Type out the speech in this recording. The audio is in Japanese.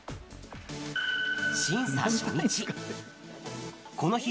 審査初日。